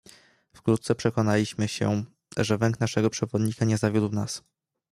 "Wkrótce przekonaliśmy się, że węch naszego przewodnika nie zawiódł nas."